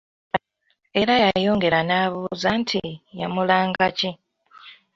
Era yayongera n'abuuza nti yamulanga ki?